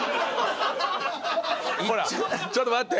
ほらちょっと待って。